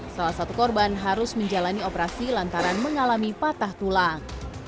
salah satu korban harus menjalani operasi lantaran mengalami patah tulang